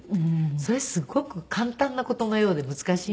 それすごく簡単な事のようで難しいんで。